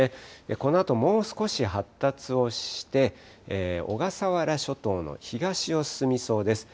このあともう少し発達をして、小笠原諸島の東を進みそうです。